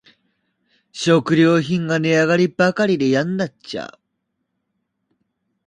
食料品が値上がりばかりでやんなっちゃう